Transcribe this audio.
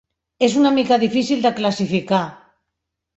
És una mica difícil de classificar.